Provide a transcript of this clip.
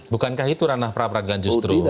bukankah itu ranah pra peradilan justru